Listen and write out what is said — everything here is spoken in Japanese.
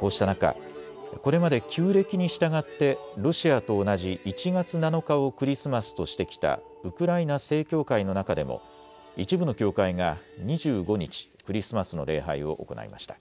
こうした中、これまで旧暦に従ってロシアと同じ１月７日をクリスマスとしてきたウクライナ正教会の中でも一部の教会が２５日、クリスマスの礼拝を行いました。